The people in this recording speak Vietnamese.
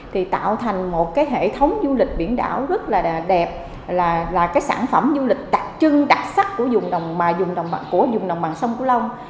thì tạo thành một hệ thống du lịch biển đảo rất là đẹp là sản phẩm du lịch đặc trưng đặc sắc của vùng đồng bằng sông cửu long